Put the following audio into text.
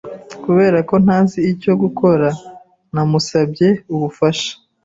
Kubera ko ntazi icyo gukora, namusabye ubufasha.